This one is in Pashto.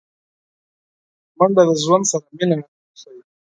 منډه د ژوند سره مینه ښيي